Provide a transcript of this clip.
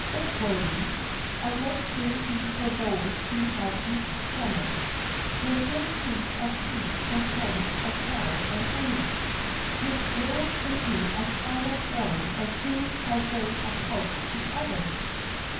Oublies, a light dainty for those who have weak stomachs, were thin sheets of paste composed of flour and honey, which rolled into a spiral form as soon as they approached the oven.